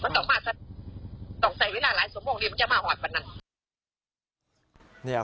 ต้องใส่เวลาหลายสมมงค์ถึงจะมาหอดแบบนั้น